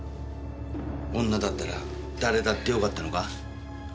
女だったら誰だってよかったのか？